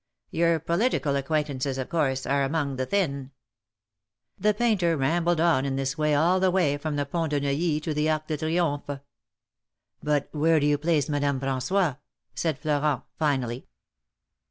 Your political acquaintances, of course, are among the Thin.'^ The Painter rambled on in this way all the way from the Pont de Neuilly to the Arc de Triomphe. But where do you place Madame Fran9ois ?" said Florent, finally.